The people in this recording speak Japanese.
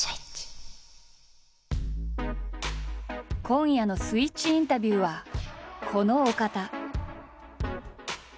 今夜の「ＳＷＩＴＣＨインタビュー」はこのお方。